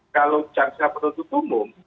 kalau jaksa penuntut umum